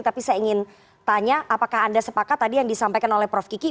tapi saya ingin tanya apakah anda sepakat tadi yang disampaikan oleh prof kiki